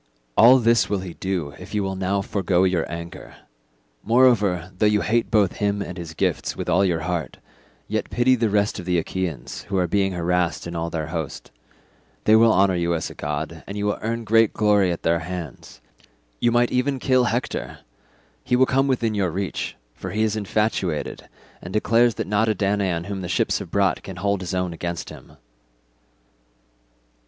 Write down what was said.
All this will he do if you will now forgo your anger. Moreover, though you hate both him and his gifts with all your heart, yet pity the rest of the Achaeans who are being harassed in all their host; they will honour you as a god, and you will earn great glory at their hands. You might even kill Hector; he will come within your reach, for he is infatuated, and declares that not a Danaan whom the ships have brought can hold his own against him."